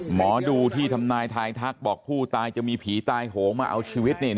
หมอดูที่ทำนายทายทักบอกผู้ตายจะมีผีตายโหงมาเอาชีวิต